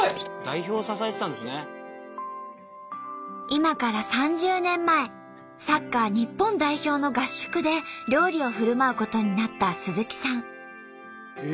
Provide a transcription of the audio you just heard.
今から３０年前サッカー日本代表の合宿で料理をふるまうことになった鈴木さん。